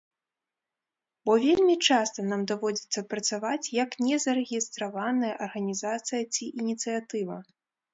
Бо вельмі часта нам даводзіцца працаваць як незарэгістраваная арганізацыя ці ініцыятыва.